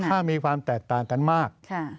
ถ้ามีความแตกต่างกันมาก